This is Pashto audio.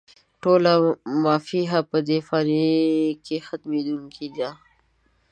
ټوله «ما فيها» په دې فاني کې ختمېدونکې ده